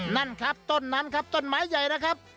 นั่นครับต้นนั้นครับต้นไม้ใหญ่นะครับ